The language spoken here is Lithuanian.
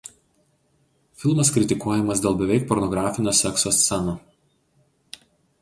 Filmas kritikuojamas dėl beveik pornografinių sekso scenų.